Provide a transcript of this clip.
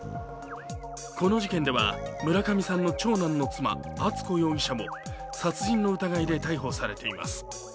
この事件では村上さんの長男の妻・敦子容疑者も殺人の疑いで逮捕されています。